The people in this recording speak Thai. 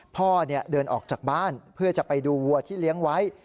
พ่อเดินออกจากบ้านเพื่อจะไปดูวัวที่เลี้ยงไว้